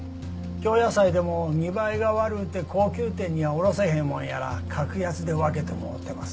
京野菜でも見栄えが悪うて高級店には卸せへんもんやら格安で分けてもろうてます。